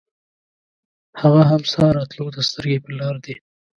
هغه هم ستا راتلو ته سترګې پر لار دی.